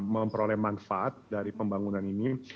memperoleh manfaat dari pembangunan ini